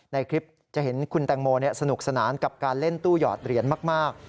ในคลิปจะเห็นคุณแตงโมสนุกสนานกับการเล่นตู้หยอดเหรียญมาก